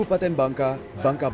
dan pasien enam hari sebelumnya ada